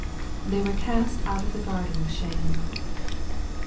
They were cast out of the garden with shame.